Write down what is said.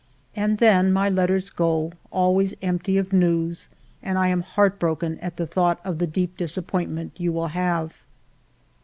And then my letters go, always empty of news, and I am heart broken at the thought of the deep disappointment you will have."